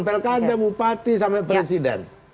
pelkada bupati sampai presiden